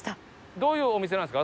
どういうお店なんですか？